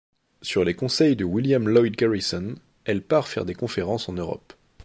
Sur les conseils de William Lloyd Garrison, elle part faire des conférences en Europe.